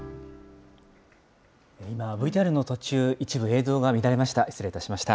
今、ＶＴＲの途中、一部、映像が乱れました。